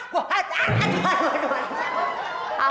waduh aduh aduh aduh